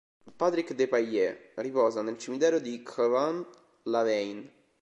Patrick Depailler riposa nel cimitero di Crevant-Laveine.